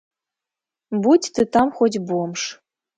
Будзь ты там хоць бомж.